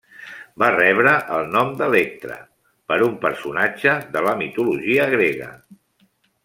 Va rebre el nom d'Electra, per un personatge de la mitologia grega.